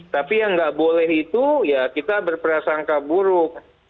tapi yang nggak boleh itu ya kita berprasangka buruk